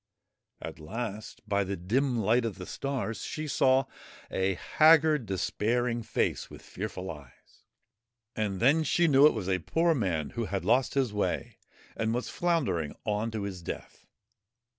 At last, by the dim light of the stars, she saw a haggard, despairing face with fearful eyes ; and then she knew it was a poor man who had lost his way and was floundering on to his death.